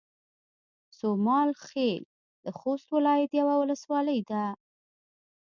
سومال خيل د خوست ولايت يوه ولسوالۍ ده